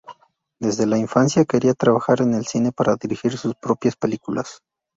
Desde la infancia quería trabajar en el cine para dirigir sus propias películas.